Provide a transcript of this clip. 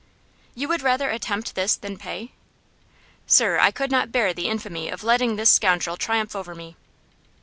"You would rather attempt this than pay?" "Sir, I could not bear the infamy of letting this scoundrel triumph over me."